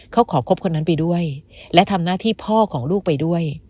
เขาขอคบคนนั้นไปด้วยและทำหน้าที่พ่อของลูกไปด้วย